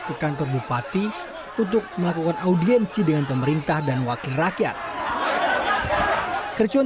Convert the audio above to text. ke kantor bupati untuk melakukan audiensi dengan pemerintah dan wakil rakyat kericuan